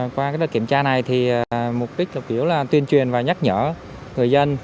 qua cái đợt kiểm tra này thì mục đích là tuyên truyền và nhắc nhở người dân